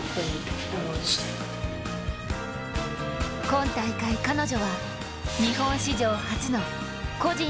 今大会、彼女は日本史上初の個人